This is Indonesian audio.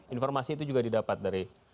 informasi itu juga didapat dari